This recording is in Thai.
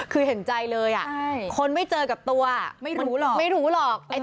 คือเห็นใจเลยอ่ะคนไม่เจอกับตัวไม่รู้หรอก